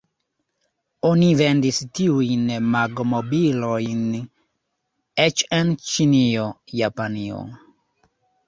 Oni vendis tiujn Magomobil-ojn eĉ en Ĉinio, Japanio.